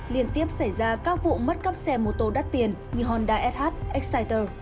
liên tiếp xảy ra các vụ mất cắp xe mô tô đắt tiền như honda sh exciter